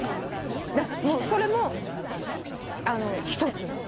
もうそれも一つなの。